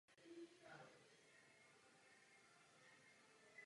Na nohách mají tmavé skvrny.